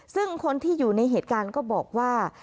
ซึ่งคนที่อยู่ในเหตุการณ์ก็บอกว่า